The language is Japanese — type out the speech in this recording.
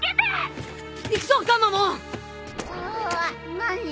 何？